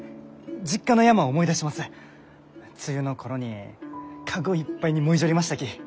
梅雨の頃に籠いっぱいにもいじょりましたき。